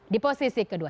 di posisi kedua